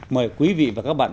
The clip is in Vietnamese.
mời quý vị và các bạn